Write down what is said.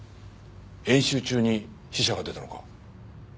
演習中に死者が出たのか？